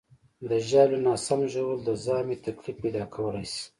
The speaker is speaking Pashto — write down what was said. د ژاولې ناسم ژوول د ژامې تکلیف پیدا کولی شي.